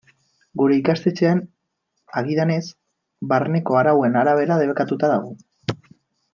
Gure ikastetxean, agidanez, barneko arauen arabera debekatuta dago.